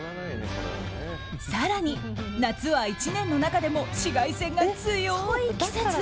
更に、夏は１年の中でも紫外線が強い季節。